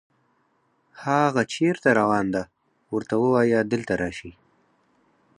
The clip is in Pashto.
هاغه چېرته روان ده، ورته ووایه دلته راشي